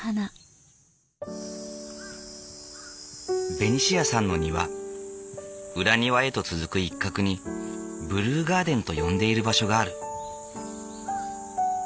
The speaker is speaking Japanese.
ベニシアさんの庭裏庭へと続く一角にブルーガーデンと呼んでいる場所がある。